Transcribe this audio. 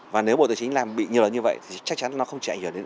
và nếu bộ tài chính làm bị nhiều lần như vậy thì chắc chắn nó không chỉ ảnh hưởng đến